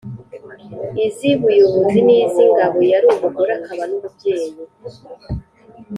iz ubuyobozi n iz ingabo Yari umugore akaba n umubyeyi